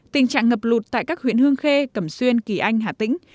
tình trạng ngập lụt tại các huyện hương khê cẩm xuyên kỳ anh hà tĩnh